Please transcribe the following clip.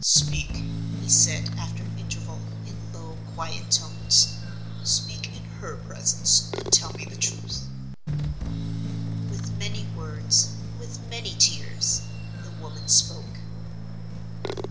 "Speak," he said, after an interval, in low, quiet tones. "Speak in her presence; and tell me the truth." With many words, with many tears, the woman spoke.